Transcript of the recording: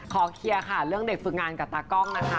ขอเคลียร์ค่ะเรื่องเด็กฝึกงานกับตากล้องนะคะ